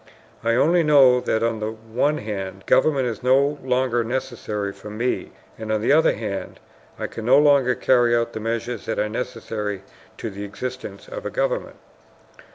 "I only know that on the one hand, government is no longer necessary for ME, and on the other hand, I can no longer carry out the measures that are necessary to the existence of a government.